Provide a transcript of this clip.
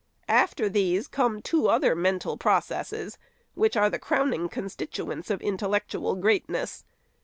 After these come two other mental processes, which are the crowning constituents of intellectual great ness.